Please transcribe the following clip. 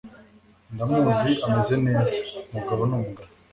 Ndamuzi ameze neza Umugabo ni umugabo